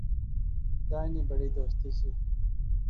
دائیں نی بڑی دوستی سی